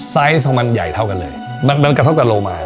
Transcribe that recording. ไซส์ของมันใหญ่เท่ากันเลยมันกระทบกับโลมา